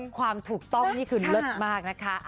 ความถูกต้องนี่คือเลิศมากนะคะ